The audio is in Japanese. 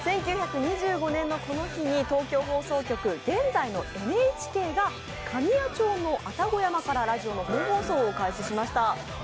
１９２５年のこの日に東京放送局、現在のＮＨＫが神谷町の愛宕山からラジオの本放送を開始しました。